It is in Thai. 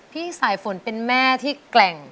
พี่สายฝนเป็นแม่ที่แกร่ง